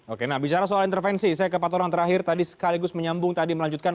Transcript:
oke nah bicara soal intervensi saya ke pak tonang terakhir tadi sekaligus menyambung tadi melanjutkan